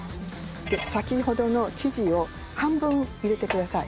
先ほどの生地を半分入れてください。